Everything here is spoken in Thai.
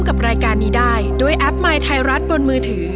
เขาร้องได้ไข่หลาง